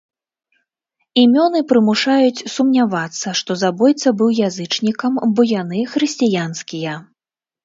Імёны прымушаюць сумнявацца, што забойца быў язычнікам, бо яны хрысціянскія.